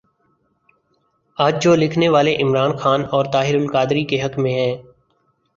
آج جو لکھنے والے عمران خان اور طاہرالقادری کے حق میں ہیں۔